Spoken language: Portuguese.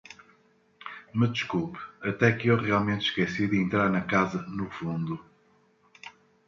Me desculpe, até que eu realmente esqueci de entrar na casa no fundo.